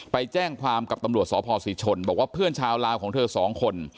ไปแจ้งความกับตำรวจสพศรีชนบอกว่าเพื่อนชาวลาวของเธอสองคน